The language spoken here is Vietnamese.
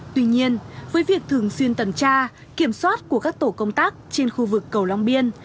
tuy nhiên với việc thường xuyên tuần tra kiểm soát của các tổ công tác trên khu vực cầu long biên